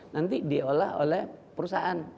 nanti diolah oleh perusahaan